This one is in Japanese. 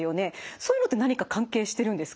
そういうのって何か関係してるんですか？